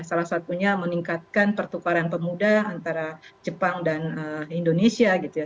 salah satunya meningkatkan pertukaran pemuda antara jepang dan indonesia gitu ya